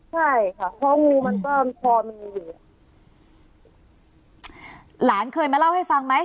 ใช่ค่ะเพราะงูมันก็พอมีอยู่หลานเคยมาเล่าให้ฟังไหม